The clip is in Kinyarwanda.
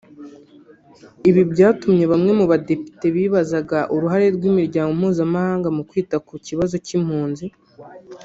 Ibi byatumye bamwe mu badepite bibazaga uruhare rw’imiryango mpuzamahanga mu kwita ku kibazo cy’impunzi